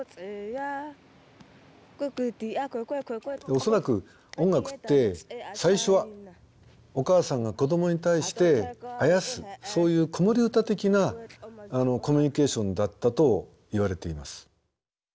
恐らく音楽って最初はお母さんが子どもに対してあやすそういう子守歌的なコミュニケーションだったといわれています。